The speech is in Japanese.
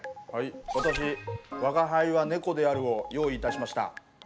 私「吾輩は猫である」を用意いたしました。